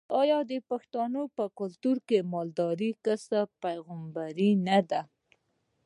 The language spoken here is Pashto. آیا د پښتنو په کلتور کې د مالدارۍ کسب د پیغمبرانو نه دی؟